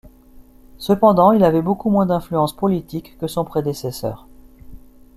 Cependant, il avait beaucoup moins d'influence politique que son prédécesseur.